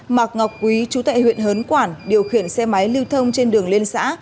mạc ngọc quý chú tệ huyện hớn quản điều khiển xe máy lưu thông trên đường liên xã